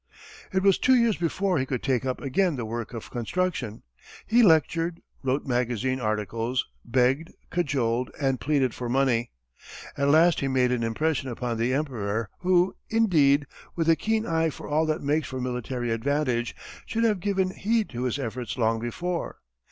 It was two years before he could take up again the work of construction. He lectured, wrote magazine articles, begged, cajoled, and pleaded for money. At last he made an impression upon the Emperor who, indeed, with a keen eye for all that makes for military advantage, should have given heed to his efforts long before.